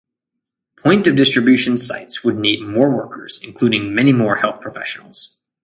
"Point of distribution" sites would need more workers, including many more health professionals.